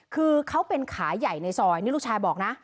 คือเขาเป็นขาใหญ่ในซอยนี่ลูกชายบอกนะ